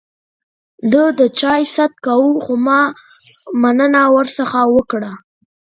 ده د چای ست کاوه ، خو ما مننه ورڅخه وکړه.